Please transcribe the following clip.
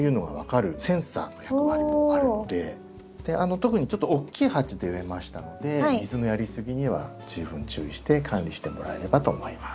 特にちょっと大きい鉢で植えましたので水のやりすぎには十分注意して管理してもらえればと思います。